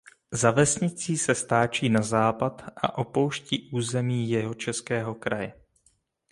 Za vesnicí se stáčí na západ a opouští území Jihočeského kraje.